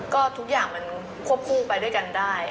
ก็ทุกอย่างมันควบคู่ไปด้วยกันได้